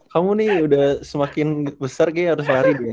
kamu nih udah semakin besar kayaknya harus lari